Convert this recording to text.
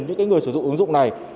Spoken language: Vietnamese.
những cái người sử dụng ứng dụng này